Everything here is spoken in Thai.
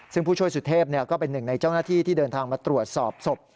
ซึ่งผู้ช่วยสุเทพก็เป็นหนึ่งในเจ้าหน้าที่ที่เดินทางมาตรวจสอบศพ